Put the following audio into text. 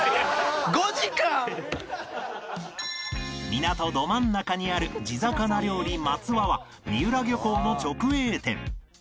港ど真ん中にある地魚料理松輪は三浦漁港の直営店